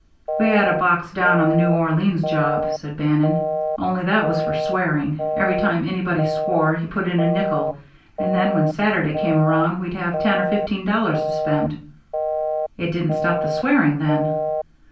"We had a box down on the New Orleans job," said Bannon, "only that was for swearing. Every time anybody swore he put in a nickel, and then when Saturday came around we'd have ten or fifteen dollars to spend." "It didn't stop the swearing, then?"